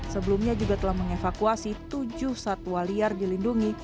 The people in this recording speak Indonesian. sebelumnya juga telah mengevakuasi tujuh satwa liar dilindungi